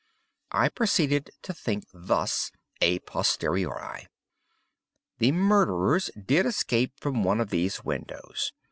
"I proceeded to think thus—a posteriori. The murderers did escape from one of these windows.